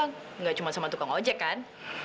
tidak cuma sama tukang ojek kan